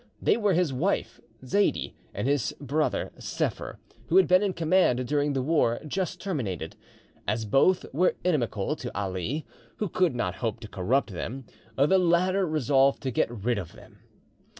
They were his wife Zaidee, and his brother Sepher, who had been in command during the war just terminated. As both were inimical to Ali, who could not hope to corrupt them, the latter resolved to get rid of them.